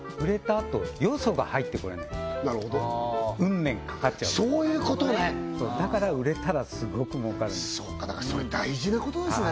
あとよそが入ってこれないなるほどウン年かかっちゃうそういうことねだから売れたらすごく儲かるんですそうかだからそれ大事なことですね